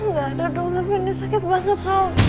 gak ada dong tapi ini sakit banget